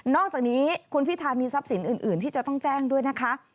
อกจากนี้คุณพิธามีทรัพย์สินอื่นที่จะต้องแจ้งด้วยนะคะ